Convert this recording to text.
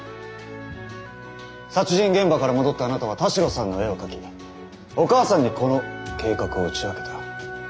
殺人現場から戻ったあなたは田代さんの絵を描きお母さんにこの計画を打ち明けた。